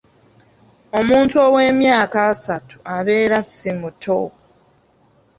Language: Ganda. Omuntu ow'emyaka asatu abeera si muto.